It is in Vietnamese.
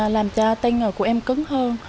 làm cho tay ngồi của em cứng hơn